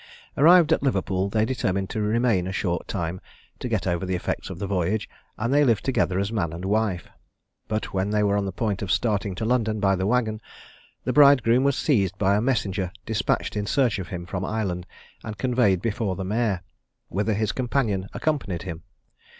Arrived at Liverpool, they determined to remain a short time to get over the effects of the voyage, and they lived together as man and wife; but when they were on the point of starting to London by the waggon, the bridegroom was seized by a messenger despatched in search of him from Ireland and conveyed before the mayor, whither his companion accompanied him.